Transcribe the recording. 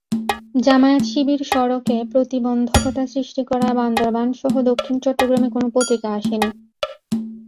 জামায়াত-শিবির সড়কে প্রতিবন্ধকতা সৃষ্টি করায় বান্দরবানসহ দক্ষিণ চট্টগ্রামে কোনো পত্রিকা আসেনি।